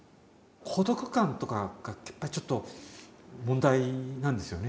孤独感とかがやっぱりちょっと問題なんですよね。